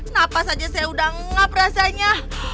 napas aja saya udah ngap rasanya